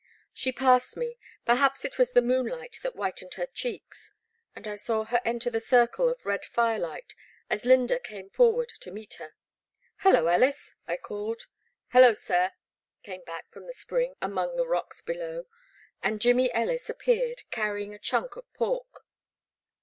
She passed me — ^perhaps it was the moonlight that whitened her cheeks — and I saw her enter the circle of red firelight as I^ynda came forward to meet her. Hello, Ellis!'* I called. i8o The Black Waier. ''Hallo, sir!" came back from the spring among the rocks below, and Jimmy Ellis ap peared, canying a chunk of pork.